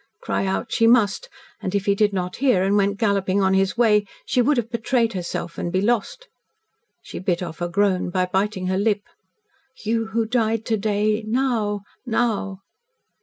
Cry out she must and if he did not hear and went galloping on his way she would have betrayed herself and be lost. She bit off a groan by biting her lip. "You who died to day now now!"